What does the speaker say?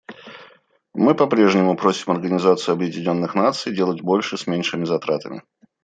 Мы по-прежнему просим Организацию Объединенных Наций делать больше с меньшими затратами.